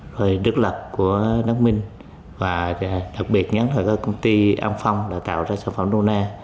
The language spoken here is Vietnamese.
rồi đức lập của đắc minh và đặc biệt nhấn thở của công ty amphong là tạo ra sản phẩm luna